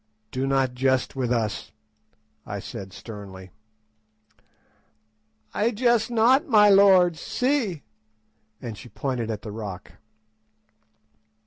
_" "Do not jest with us," I said sternly. "I jest not, my lords. See!" and she pointed at the rock.